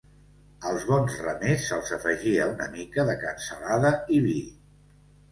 Als bons remers se'ls afegia una mica de cansalada i vi.